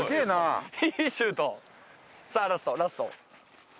さぁラストラスト。